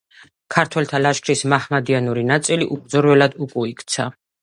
ქართველთა ლაშქრის მაჰმადიანური ნაწილი უბრძოლველად უკუიქცა.